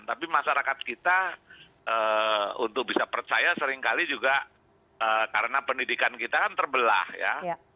tapi masyarakat kita untuk bisa percaya seringkali juga karena pendidikan kita kan terbelah ya